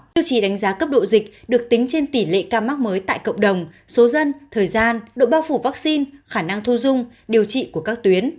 tiêu chí đánh giá cấp độ dịch được tính trên tỷ lệ ca mắc mới tại cộng đồng số dân thời gian độ bao phủ vaccine khả năng thu dung điều trị của các tuyến